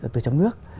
từ trong nước